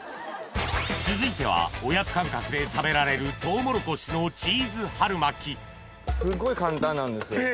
続いてはおやつ感覚で食べられるトウモロコシのチーズ春巻きすごい簡単なんですよ。